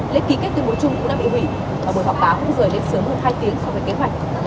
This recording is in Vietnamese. lễ ký kết tuyên bố chung cũng đã bị hủy và buổi họp báo cũng rời lên sớm hơn hai tiếng so với kế hoạch là một mươi sáu giờ như ban đầu